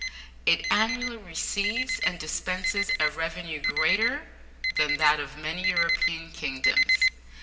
It annually receives and dispenses a revenue greater than that of many European kingdoms.